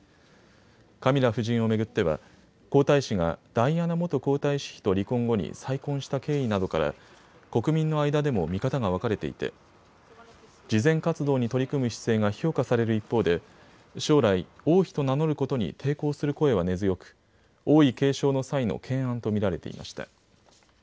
カミラ夫人を巡っては皇太子がダイアナ元皇太子妃と離婚後に再婚した経緯などから国民の間でも見方が分かれていて慈善活動に取り組む姿勢が評価される一方で将来、王妃と名乗ることに抵抗する声は根強く王位継承の際の懸案と見られていました。